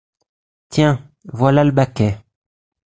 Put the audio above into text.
Tiens! voilà le baquet !